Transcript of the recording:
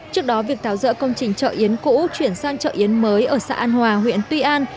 trước đó việc tháo dỡ công trình chợ yến cũ chuyển sang chợ yến mới ở xã an hòa huyện tuy an